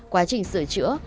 quá trình sửa chữa